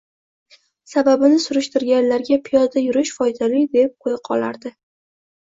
Sababini surishtirganlarga, piyoda yurish foydali, deb qo`ya qolardi